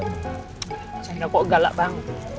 cenda kok galak bang